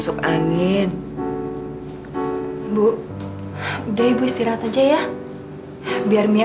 oh tunggu sebentar saya panggil ya